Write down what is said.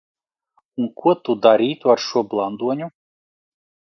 Un ko tu darītu ar šo blandoņu?